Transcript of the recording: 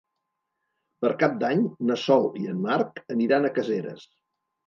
Per Cap d'Any na Sol i en Marc aniran a Caseres.